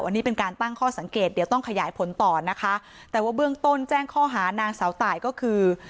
อันนี้เป็นการตั้งข้อสังเกตเดี๋ยวต้องขยายผลต่อนะคะแต่ว่าเบื้องต้นแจ้งข้อหานางสาวตายก็คือ